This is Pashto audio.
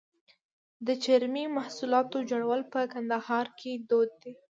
د چرمي محصولاتو جوړول په کندهار کې دود دي.